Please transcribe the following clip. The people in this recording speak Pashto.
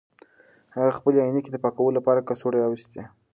هغه خپلې عینکې د پاکولو لپاره له کڅوړې راویستې.